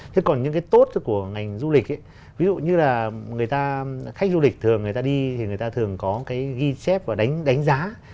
thế còn những cái tốt của ngành du lịch ví dụ như là khách du lịch thường người ta đi thì người ta thường có cái ghi chép và đánh giá